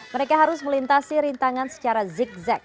mereka harus melintasi rintangan secara zig zag